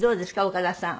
岡田さん。